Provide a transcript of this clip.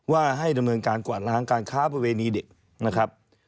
ว่าให้ดำเนินการกวาดล้างการค้าประเวณีเด็กนะครับ